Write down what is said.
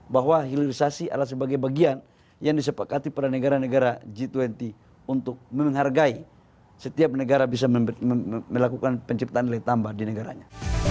bahwa hilirisasi adalah sebagai bagian yang disepakati pada negara negara g dua puluh untuk menghargai setiap negara bisa melakukan penciptaan nilai tambah di negaranya